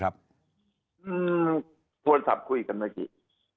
ไม่พอซับคุยกันเมื่อกี้